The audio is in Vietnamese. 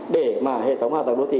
để mà hệ thống hạ tầng đô thị